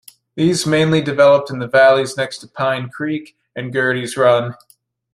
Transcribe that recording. These mainly developed in the valleys next to Pine Creek and Girtys Run.